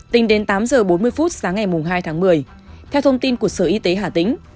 tính đến tám h bốn mươi phút sáng ngày hai tháng một mươi theo thông tin của sở y tế hà tĩnh